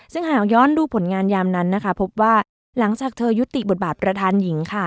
ซึ่งหากย้อนดูผลงานยามนั้นนะคะพบว่าหลังจากเธอยุติบทบาทประธานหญิงค่ะ